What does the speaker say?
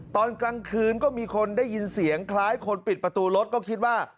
ตอนกลางคืนก็มีคนได้ยินเสียงคล้ายคนปิดประตูรถก็คิดว่า